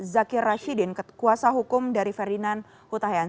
zakir rashidin kekuasa hukum dari ferdinand kutahian